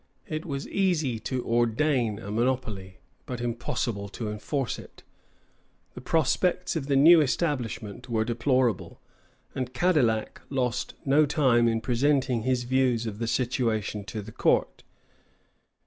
It was easy to ordain a monopoly, but impossible to enforce it. The prospects of the new establishment were deplorable; and Cadillac lost no time in presenting his views of the situation to the court.